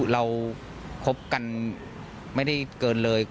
เราคบกันไม่ได้เกินเลย